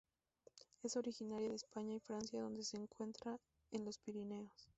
Es originaria de España y Francia donde se encuentra en los Pirineos.